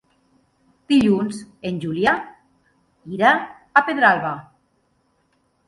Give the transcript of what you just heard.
Dilluns en Julià irà a Pedralba.